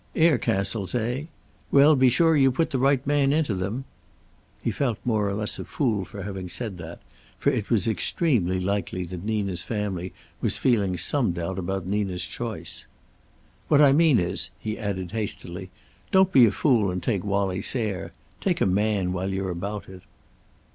"Air castles, eh? Well, be sure you put the right man into them!" He felt more or less a fool for having said that, for it was extremely likely that Nina's family was feeling some doubt about Nina's choice. "What I mean is," he added hastily, "don't be a fool and take Wallie Sayre. Take a man, while you're about it."